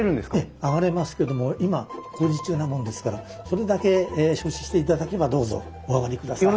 上がれますけども今工事中なもんですからそれだけ承知していただければどうぞお上がりください。